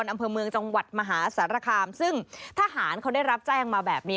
อำเภอเมืองจังหวัดมหาสารคามซึ่งทหารเขาได้รับแจ้งมาแบบนี้